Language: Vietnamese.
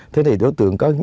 thế thì đối tượng